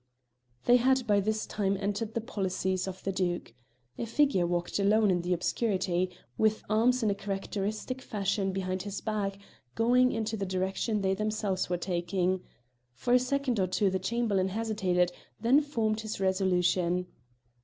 They had by this time entered the policies of the Duke. A figure walked alone in the obscurity, with arms in a characteristic fashion behind its back, going in the direction they themselves were taking. For a second or two the Chamberlain hesitated, then formed his resolution.